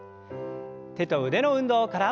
手と腕の運動から。